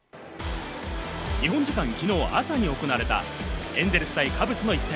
日本時間、きのう朝に行われたエンゼルス対カブスの一戦。